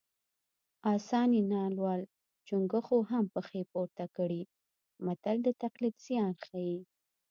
اسان یې نالول چونګښو هم پښې پورته کړې متل د تقلید زیان ښيي